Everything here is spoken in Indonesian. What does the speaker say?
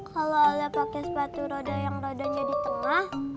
kalau pakai sepatu roda yang rodanya di tengah